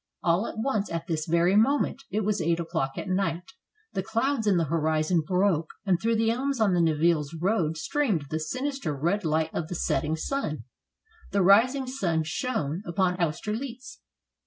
All at once, at this very moment — it was eight o'clock at night — the clouds in the horizon broke, and through the elms on the Nivelles road streamed the sinister red light of the setting sun. The rising sun shone upon Austerlitz.